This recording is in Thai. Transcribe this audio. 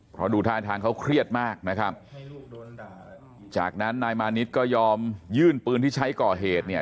เพราะดูท่าทางเขาเครียดมากนะครับจากนั้นนายมานิดก็ยอมยื่นปืนที่ใช้ก่อเหตุเนี่ย